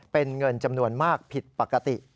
เป็นเงินจำนวนมากผิดปกติ